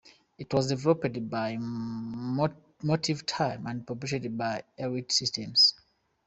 It was developed by MotiveTime and published by Elite Systems.